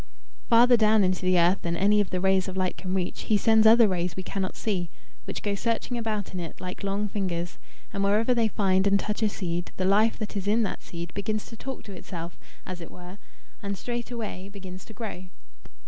Farther down into the earth than any of the rays of light can reach, he sends other rays we cannot see, which go searching about in it, like long fingers; and wherever they find and touch a seed, the life that is in that seed begins to talk to itself, as it were, and straightway begins to grow.